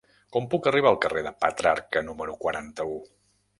Com puc arribar al carrer de Petrarca número quaranta-u?